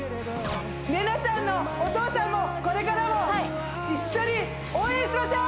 玲奈ちゃんのお父さんもこれからも一緒に応援しましょ！